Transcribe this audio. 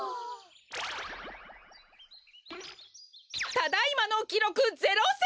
ただいまのきろく０センチ！